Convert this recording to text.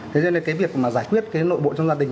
thế cho nên cái việc mà giải quyết cái nội bộ trong gia đình